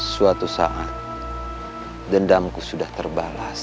suatu saat dendamku sudah terbalas